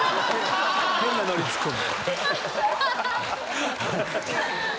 変なノリツッコミ。